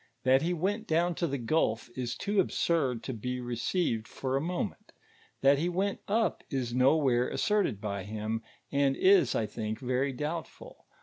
That he went down to the gul( is too absurd to be received for a moment ; that he went up is nowhere asserted by him, an4 i», I think, very doubtful.